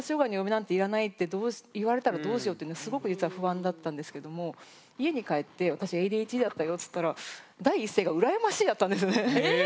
言われたらどうしようってすごく実は不安だったんですけども家に帰って私ＡＤＨＤだったよって言ったら第一声が「羨ましい」だったんですよね。